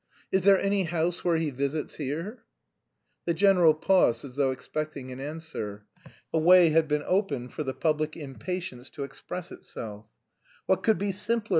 Is there any house where he visits here?" The general paused as though expecting an answer. A way had been opened for the public impatience to express itself. "What could be simpler?"